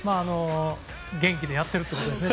元気でやっているってことですね。